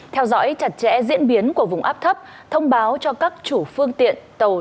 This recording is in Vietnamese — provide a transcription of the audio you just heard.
theo dõi chặt chẽ diễn biến của vùng áp thấp thông báo cho các chủ phương tiện tàu